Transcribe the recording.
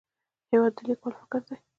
هېواد د لیکوال فکر دی.